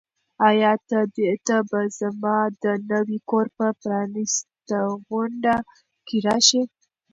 آیا ته به زما د نوي کور په پرانیستغونډه کې راشې؟